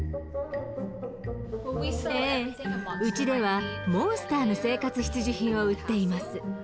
ええうちではモンスターの生活必需品を売っています。